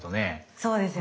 そうですよね。